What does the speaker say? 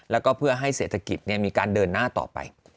แล้วก็เพื่อให้เศรษฐกิจมีการเดินหน้าต่อไป